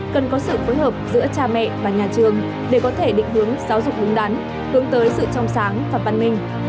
cần có sự phối hợp giữa cha mẹ và nhà trường để có thể định hướng giáo dục đúng đắn hướng tới sự trong sáng và văn minh